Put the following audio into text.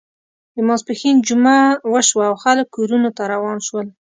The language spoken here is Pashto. د ماسپښین جمعه وشوه او خلک کورونو ته روان شول.